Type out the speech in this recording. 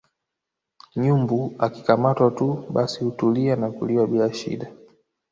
nyumbu akikamatwa tu basi hutulia na kuliwa bila shida